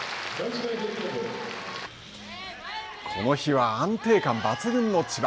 この日は安定感抜群の千葉。